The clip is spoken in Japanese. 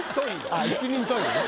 あっ「一人十色」ね。